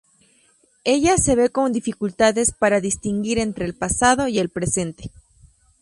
Ella se ve con dificultades para distinguir entre el pasado y el presente.